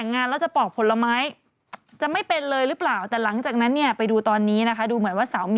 นี่ค่ะเริ่มจากเราหั่นเบบี้แครอทนะคะแล้วก็หัวหอมยายแล้วก็มันฟ้าหล่างนะคะ